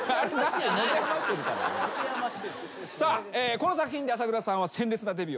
この作品で朝倉さんは鮮烈なデビューを果たします。